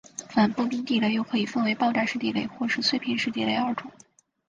反步兵地雷又可以分为爆炸式地雷或是碎片式地雷二种。